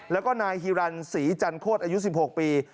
แล้วก็นายฮิรันศรีจันโคตรอายุ๑๖ปี